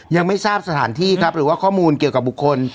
ยังไม่ทราบสถานที่ครับหรือว่าข้อมูลเกี่ยวกับบุคคล